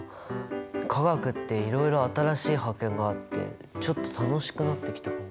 化学っていろいろ新しい発見があってちょっと楽しくなってきたかも。